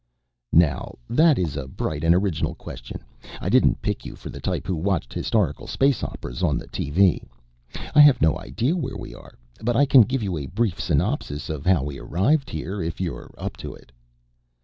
"Now that is a bright and original question I didn't pick you for the type who watched historical spaceopera on the TV. I have no idea where we are but I can give you a brief synopsis of how we arrived here, if you are up to it."